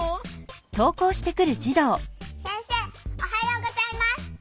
せんせいおはようございます。